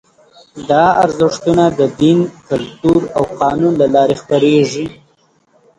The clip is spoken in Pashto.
دا ارزښتونه د دین، کلتور او قانون له لارې خپرېږي.